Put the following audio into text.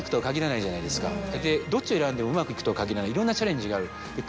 どっちを選んでもうまくいくとは限らないいろんなチャレンジがある。